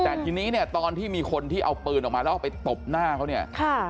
แต่ทีนี้เนี่ยตอนที่มีคนที่เอาปืนออกมาแล้วไปตบหน้าเขาเนี่ยค่ะ